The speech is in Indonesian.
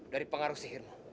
dari pengaruh sihirmu